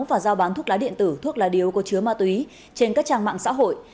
và giao bán thuốc lá điện tử thuốc lá điếu có chứa ma túy trên các trang mạng xã hội